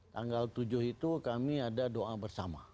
tanggal tujuh itu kami ada doa bersama